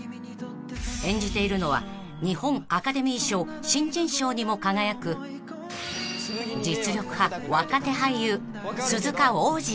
［演じているのは日本アカデミー賞新人賞にも輝く実力派若手俳優］